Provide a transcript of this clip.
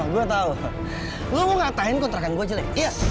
gue tahu lu ngatain kontrakan gue jelek